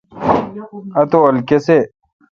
اتو اؘل کیسی۔